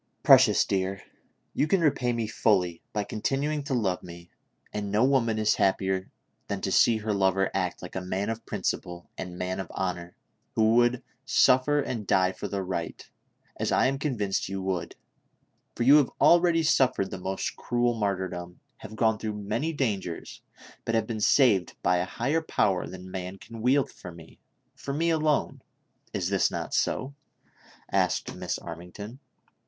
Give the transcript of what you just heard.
"Precious dear, you can repay me fully by continuing to love me, and no woman is happier than to see her lover act like a man of principle and man of honor, who would suffer and die for the right, as I am convinced you would, for you have already suffered the most cruel martyrdom ; have gone through many dangers, but have been saved by a higher power than rnan can wield for me ; for me alone ! Is this not so V " asked Miss Armington.